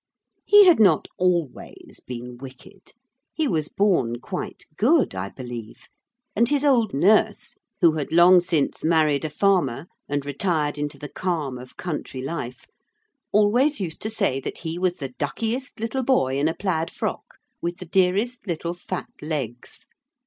He had not always been wicked. He was born quite good, I believe, and his old nurse, who had long since married a farmer and retired into the calm of country life, always used to say that he was the duckiest little boy in a plaid frock with the dearest little fat legs.